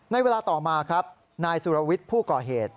ในเวลาต่อมาครับนายสุรวิทย์ผู้ก่อเหตุ